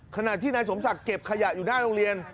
ขณะที่นายสมศักดิ์เก็บขยะอยู่หน้าโรงเรียน